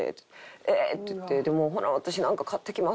「えー！」って言ってでもう「ほな私なんか買ってきます」。